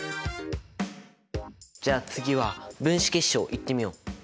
じゃあ次は分子結晶いってみよう！